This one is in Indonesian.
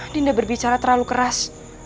dinda berbicara terlalu keras